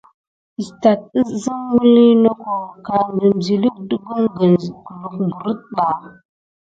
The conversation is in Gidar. Istat gelzim miliy noko akum siluk de kumgene kuluck berinba.